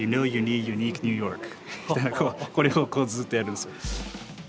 これをずっとやるんですよ。